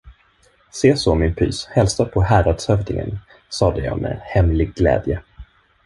Seså, min pys, hälsa på häradshövdingen! sade jag med hemlig glädje.